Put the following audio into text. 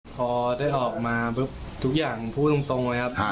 พอได้ออกมาปุ๊บทุกอย่างพูดตรงเลยครับ